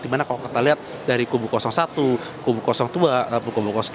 dimana kalau kita lihat dari kubu satu kubu dua kubu kubu tiga